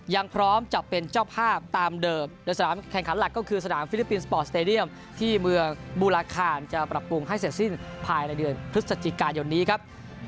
ยังพร้อมจะเป็นเจ้าภาพตามเดิมโดยสนามแข่งขันหลักก็คือสนามฟิลิปปินส์สปอร์ตสเตดียมที่เมืองบูราคารจะปรับปรุงให้เสร็จสิ้นภายในเดือนพฤศจิกายนนี้ครับ